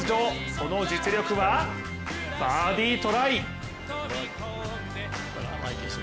その実力はバーディートライ。